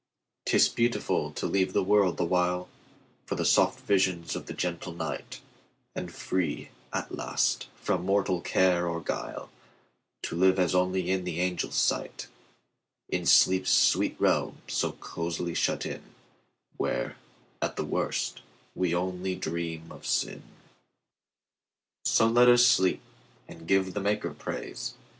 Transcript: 'T is beautiful to leave the world awhileFor the soft visions of the gentle night; And free, at last, from mortal care or guile, To live as only in the angels' sight, In sleep's sweet realm so cosily shut in, Where, at the worst, we only dream of sin! So let us sleep, and give the Maker praise.